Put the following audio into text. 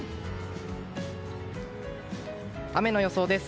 雨の予想です。